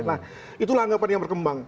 nah itulah anggapan yang berkembang